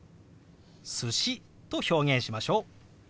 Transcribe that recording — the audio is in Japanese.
「寿司」と表現しましょう。